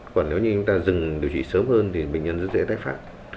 còn nếu như người ta dừng điều trị sớm hơn thì bệnh nhân rất dễ tái phát